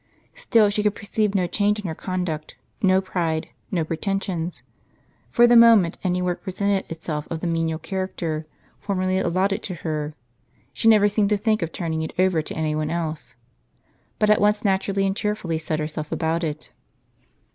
Still she could perceive no change in her conduct, no pride, no pretensions ; for the moment any work presented itself of the menial character formerly allotted to her, she never seemed to think of turning it over to any one else, but at once naturally and cheerfully set herself about it.